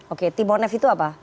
oke timonef itu apa